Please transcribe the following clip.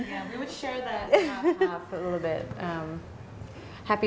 ya kita akan berbagi tentang itu